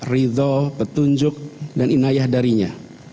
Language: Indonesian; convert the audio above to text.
ridho petunjuk dan inayah darinya